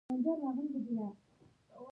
منډه د لوبغاړو لازمي تمرین دی